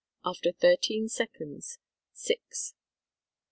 (after thirteen seconds). Six.